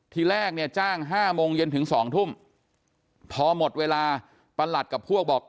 ทีแรกเนี่ยจ้าง๕โมงเย็นถึง๒ทุ่มพอหมดเวลาประหลัดกับพวกบอก